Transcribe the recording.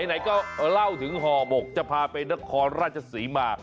ไหนก็เล่าถึงห่อหมกจะพาไปนครราชศรีมา